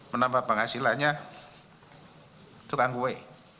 menambah penghasilannya tukang kue